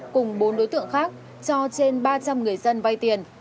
cùng bốn đối tượng khác cho trên ba trăm linh người dân vay tiền